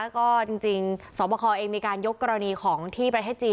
ก็จริงสอบคอเองมีการยกกรณีของที่ประเทศจีน